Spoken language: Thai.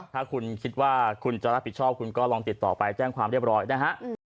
ถ้าคุณคิดว่าคุณจะรับผิดชอบคุณก็ลองติดต่อไปแจ้งความเรียบร้อยนะฮะ